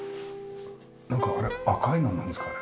なんかあれ赤いのなんですかね？